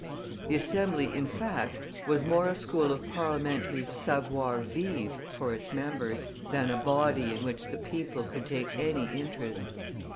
The Assembly, in fact, was more a school of Parliamentary savoir vivre for its members, than a body in which the people could take any interest.